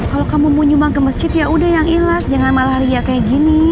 kalau kamu mau nyumbang ke masjid yaudah yang ilas jangan malah ria kaya gini